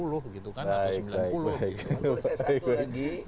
boleh saya satu lagi